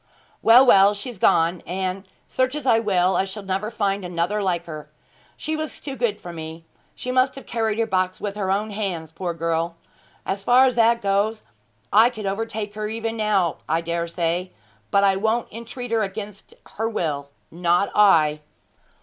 Well, well, she's gone; and search as I will I shall never find another like her! She was too good for me. She must have carried her box with her own hands, poor girl. As far as that goes, I could overtake her even now, I dare say; but I won't entreat her against her will not I.'